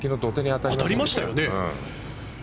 当たりましたよね？